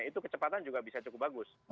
itu kecepatan juga bisa cukup bagus